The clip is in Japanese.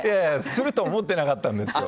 すると思ってなかったんですよ。